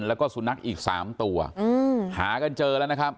แล้วก็สุนัขอีก๓ตัวหากันเจอแล้วนะครับ